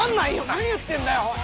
何言ってんだよおい。